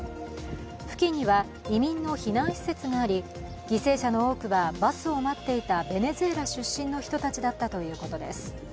付近には移民の避難施設があり犠牲者の多くはバスを待っていたベネズエラ出身の人たちだったということです。